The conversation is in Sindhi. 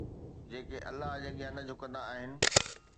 جيڪي الله جي اڳيان نه جهڪندا آهن